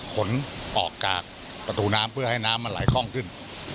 ขนออกจากประตูน้ำเพื่อให้น้ำมันไหลคล่องขึ้น